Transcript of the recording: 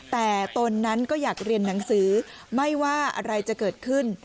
แต่ตนนั้นก็อยากเรียนหนังสือไม่ว่าอะไรจะเกิดขึ้น